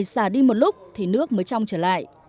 xả đi một lúc thì nước mới trong trở lại